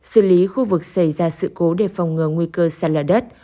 xử lý khu vực xảy ra sự cố để phòng ngừa nguy cơ sạt lở đất